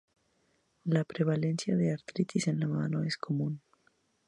La prevalencia de artritis en la mano es común.